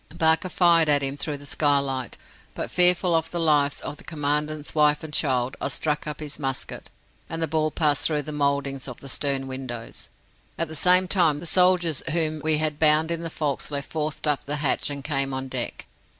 Barker fired at him through the skylight, but fearful of the lives of the Commandant's wife and child, I struck up his musket, and the ball passed through the mouldings of the stern windows. At the same time, the soldiers whom we had bound in the folksle forced up the hatch and came on deck.